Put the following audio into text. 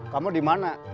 kamu di mana